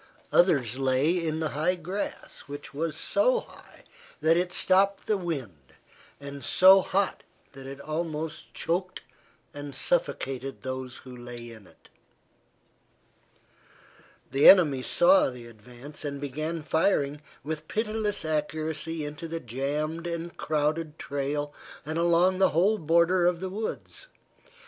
Others lay in the high grass which was so high that it stopped the wind, and so hot that it almost choked and suffocated those who lay in it. The enemy saw the advance and began firing with pitiless accuracy into the jammed and crowded trail and along the whole border of the woods.